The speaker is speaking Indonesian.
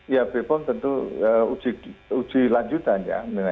ya bepom tentu uji lanjutannya